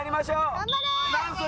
頑張れ！